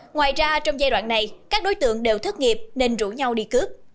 ngoài ra trong giai đoạn này các đối tượng đều thất nghiệp nên rủ nhau đi cướp